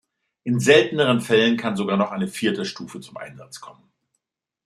In selteneren Fällen kann sogar noch eine vierte Stufe zum Einsatz kommen.